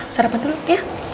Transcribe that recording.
dah sarapan dulu ya